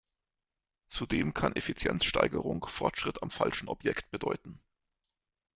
Zudem kann Effizienzsteigerung Fortschritt am falschen Objekt bedeuten.